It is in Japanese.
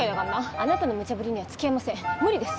あなたのムチャブリには付き合えません無理です！